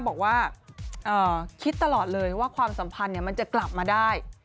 บอกว่าคิดตลอดเลยว่าความสัมพันธ์มันจะกลับมาได้